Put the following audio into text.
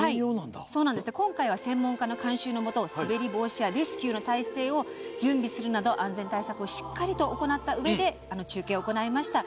今回は専門家の監修のもと滑り防止やレスキューの体制を準備するなど安全対策をしっかり行ったうえで中継を行いました。